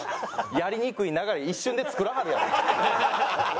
やりにくい流れ一瞬で作らはるやろ。